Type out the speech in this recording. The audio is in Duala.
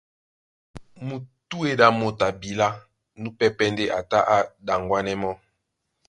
Mutúedi a motoi abilá núpɛ́pɛ̄ ndé a tá a ɗaŋwanɛ mɔ́.